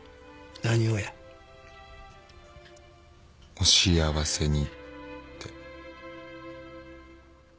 お幸せにって。